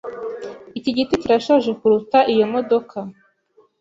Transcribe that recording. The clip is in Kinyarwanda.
Iki giti kirashaje kuruta iyo modoka.